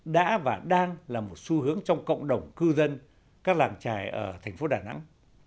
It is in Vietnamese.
đã và đang là một xu hướng trong cộng đồng cư dân các làng trài ở thành phố đà nẵng